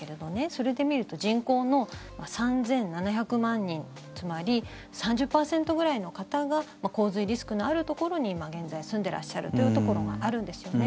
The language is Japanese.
それで見ると人口の３７００万人つまり３０％ぐらいの方が洪水リスクのあるところに今現在住んでいらっしゃるというところがあるんですよね。